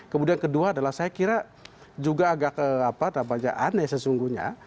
kemudian kedua adalah saya kira juga agak aneh sesungguhnya